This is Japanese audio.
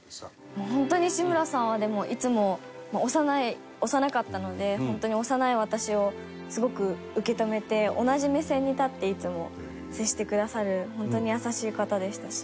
もう本当に志村さんはでもいつも幼い幼かったので本当に幼い私をすごく受け止めて同じ目線に立っていつも接してくださる本当に優しい方でしたし。